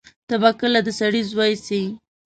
ته به کله د سړی زوی سې.